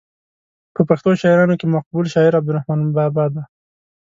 په پښتو شاعرانو کې مقبول شاعر عبدالرحمان بابا دی.